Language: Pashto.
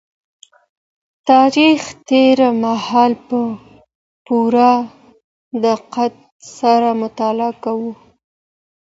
تاريخ تېر مهال په پوره دقت سره مطالعه کوي.